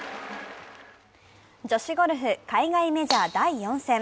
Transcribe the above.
女子ゴルフ、海外メジャー第４戦。